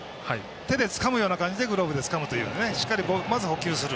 手でつかむような感じでグローブでつかむというねしっかり、まず捕球する。